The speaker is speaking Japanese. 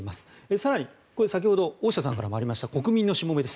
更に、先ほど大下さんからもありました「国民のしもべ」です